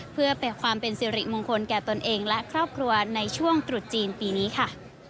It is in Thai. เพื่อเป็นความเป็นสิริมงคลแก่ตนเองและครอบครัวในช่วงตรุษจีนปีนี้ค่ะ